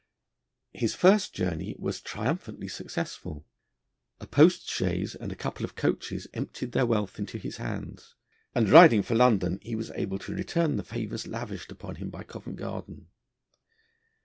His first journey was triumphantly successful. A post chaise and a couple of coaches emptied their wealth into his hands, and, riding for London, he was able to return the favours lavished upon him by Covent Garden.